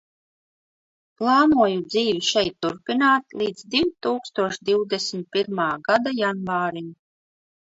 Plānoju dzīvi šeit turpināt līdz divtūkstoš divdesmit pirmā gada janvārim.